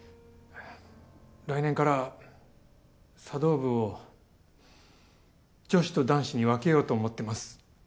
来年から茶道部を女子と男子に分けようと思ってます。